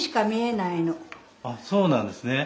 あっそうなんですね。